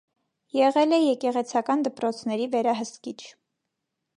Եղել է եկեղեցական դպրոցների վերահսկիչ։